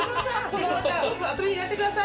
ぜひまた遊びにいらしてください。